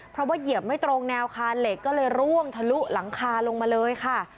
เพราะว่าเหยียบไม่ตรงแนวคานเหล็กก็เลยร่วงทะลุหลังคาลงมาเลยค่ะ